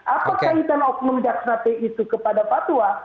apa kaitan oknum jaksate itu kepada fatwa